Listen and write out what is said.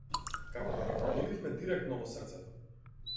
Како да го погодивме директно во срцето.